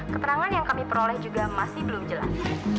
keterangan yang kami peroleh juga masih belum jelas